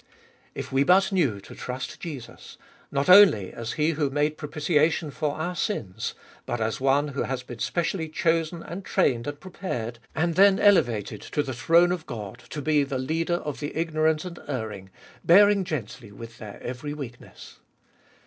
If we but knew to trust Jesus, not only as He who made propitiation for our sins, but as one who has been specially chosen and trained and prepared, and then 12 178 Ebe Iboliest ot BU elevated to the throne of God, to be the Leader of the ignorant and erring, bearing gently with their every weakness